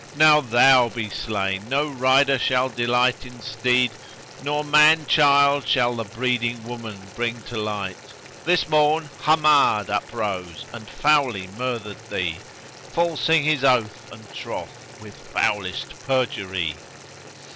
Now thou be slain no rider shall delight in steed, * Nor man child shall the breeding woman bring to light. This morn Hammád uprose and foully murthered thee, * Falsing his oath and troth with foulest perjury."